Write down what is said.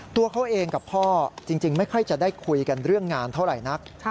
ตัวเขาเองกับพ่อจริงไม่ค่อยจะได้คุยกันเรื่องงานเท่าไหร่นัก